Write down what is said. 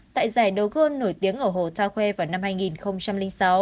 tại giải đấu gôn nổi tiếng ở hồ ta khoe vào năm hai nghìn một mươi tám